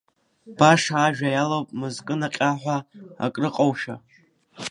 Баша ажәа иалоуп мызкы наҟьа ҳәа акрыҟоушәа.